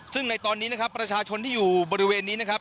ซึ่งในตอนนี้นะครับประชาชนที่อยู่บริเวณนี้นะครับ